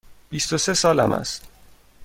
بیست و سه سالم است.